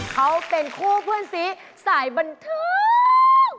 เขาเป็นคู่เพื่อนสีสายบันทึก